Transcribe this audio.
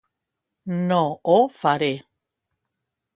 No ho faré.